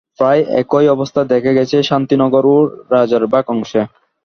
প্রায় একই অবস্থা দেখা গেছে শান্তিনগর ও রাজারবাগ অংশে।